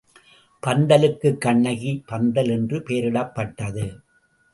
பந்தலுக்கு கண்ணகி பந்தல் என்று பெயரிடப்பட்டது.